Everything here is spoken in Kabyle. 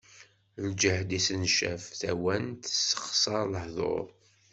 Lǧehd issencaf, tawant tessexsaṛ lehduṛ.